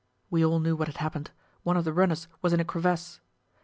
We all knew what had happened one of the runners was in a crevasse.